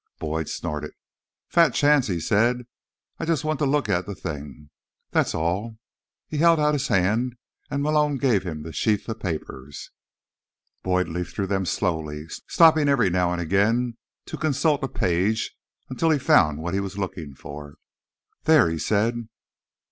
Boyd snorted. "Fat chance," he said. "I just want to look at the thing, that's all." He held out his hand, and Malone gave him the sheaf of papers. Boyd leafed through them slowly, stopping every now and again to consult a page, until he found what he was looking for. "There," he said.